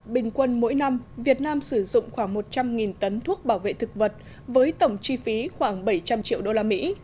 bình quân mỗi năm việt nam sử dụng khoảng một trăm linh tấn thuốc bảo vệ thực vật với tổng chi phí khoảng bảy trăm linh triệu đô la mỹ